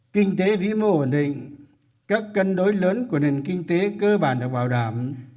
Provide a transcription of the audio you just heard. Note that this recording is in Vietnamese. kinh tế vĩ mô ổn định các cân đối lớn của nền kinh tế cơ bản được bảo đảm